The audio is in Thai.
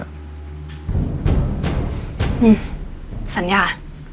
อืมสัญญา